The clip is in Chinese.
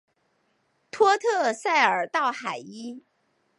托特塞尔道海伊。